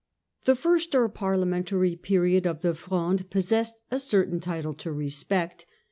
The first, or Parliamentary, period of the Fronde pos sessed a certain title to respect.